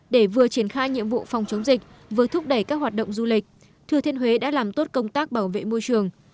để vừa triển khai nhiệm vụ phòng chống dịch vừa thúc đẩy các hoạt động du lịch thừa thiên huế đã làm tốt công tác bảo vệ môi trường